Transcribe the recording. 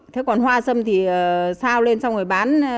thế còn hoa sâm thì sao lên xong rồi bán